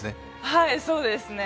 はい、そうですね。